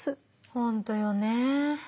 本当よね。